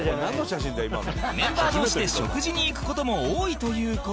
メンバー同士で食事に行く事も多いという事で